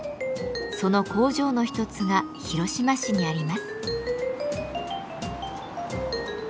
その工場の一つが広島市にあります。